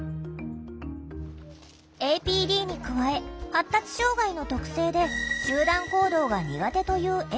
ＡＰＤに加え発達障害の特性で集団行動が苦手という笑